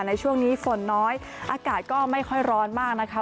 ในช่วงนี้ฝนน้อยอากาศก็ไม่ค่อยร้อนมากนะคะ